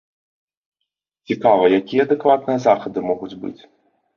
Цікава, якія адэкватныя захады могуць быць?